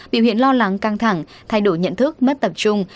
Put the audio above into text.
biểu hiện lo lắng căng thẳng thay đổi nhận thức mất tập trung